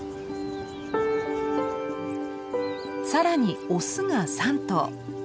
更にオスが３頭。